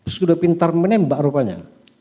sudah pintar menembak rupanya